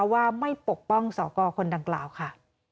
ว่าไม่ปกป้องสกคนดังกล่าวค่ะ